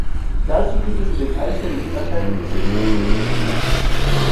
Dazu gibt es in den einzelnen Stadtteilen Bezirksausschüsse.